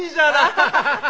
アハハハ。